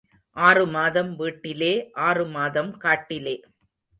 ஆறு மாதம் வீட்டிலே ஆறு மாதம் காட்டிலே.